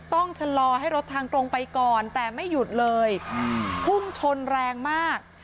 ต้องชะลอให้รถทางตรงไปก่อนแต่ไม่หยุดเลยพุ่งชนแรงมาก